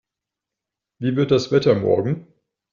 Wie wird das Wetter morgen?